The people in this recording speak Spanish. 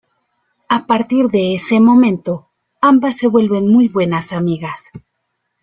A partir de ese momento, ambas se vuelven muy buenas amigas.